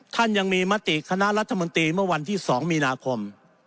ท่านยังมีมติคณะรัฐมนตรีเมื่อวันที่๒มีนาคม